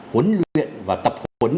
huấn luyện và tập huấn